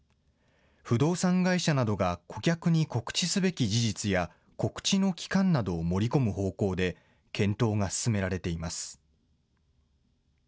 不動産会社などが顧客に告知すべき事実や告知の期間などを盛り込む方向で検討が進められています。